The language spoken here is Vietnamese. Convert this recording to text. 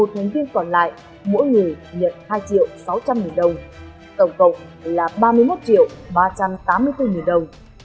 tại mỗi người nhận hai triệu sáu trăm linh nghìn đồng tổng cộng là ba mươi một triệu ba trăm tám mươi bốn nghìn đồng